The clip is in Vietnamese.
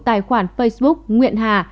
tài khoản facebook nguyện hà